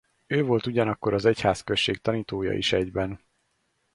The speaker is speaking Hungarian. Ő volt ugyanakkor az egyházközség tanítója is egyben.